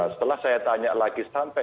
setelah saya tanya lagi sampai